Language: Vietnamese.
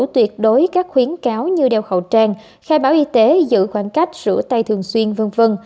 tuyệt đối các khuyến cáo như đeo khẩu trang khai báo y tế giữ khoảng cách rửa tay thường xuyên v v